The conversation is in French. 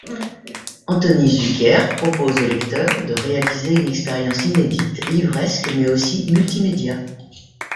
Anthony Zuiker propose au lecteur de réaliser une expérience inédite, livresque mais aussi multimédia.